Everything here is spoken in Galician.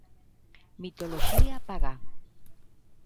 Mitoloxía pagá.